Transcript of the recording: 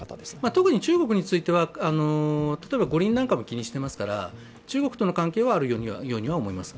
特に中国については、例えば五輪なんかも気にしていますから、中国との関係はあるようには思います。